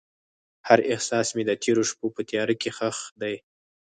هر احساس مې د تیرو شپو په تیاره کې ښخ دی.